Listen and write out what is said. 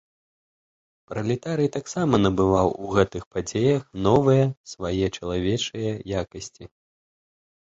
Пралетарый таксама набываў у гэтых падзеях новыя свае чалавечыя якасці.